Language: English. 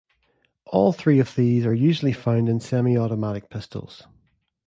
All three of these are usually found in semi-automatic pistols.